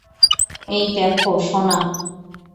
এই দেখো সোনা।